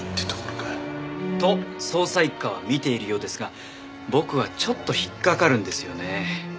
と捜査一課は見ているようですが僕はちょっと引っかかるんですよね。